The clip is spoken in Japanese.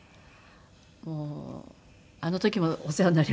もうあの時もお世話になりました。